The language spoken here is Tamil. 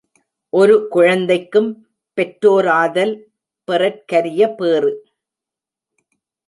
ஒரு குழந்தைக்கும் பெற்றோராதல் பெறற் கரிய பேறு.